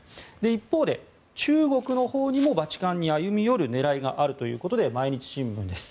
一方で、中国のほうにもバチカンに歩み寄る狙いがあるということで毎日新聞です。